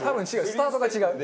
スタートが違う。